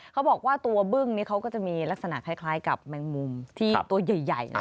เขาบอกว่าตัวเบิงก็จะมีลักษณะคล้ายกับแมงมุมที่ตัวใหญ่